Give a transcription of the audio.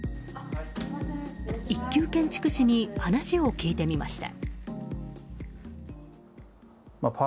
１級建築士に話を聞いてみました。